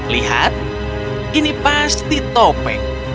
lihat ini pasti topeng